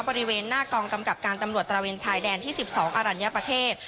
บริเวณหน้ากองกำกับการตำรวจตระเวนชายแดนที่๑๒อรัญญประเทศ